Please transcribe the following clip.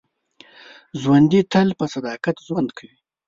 ژوندي تل په صداقت ژوند کوي